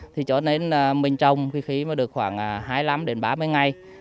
thì cho nên mình trồng khi mà được khoảng hai mươi năm đến ba mươi ngày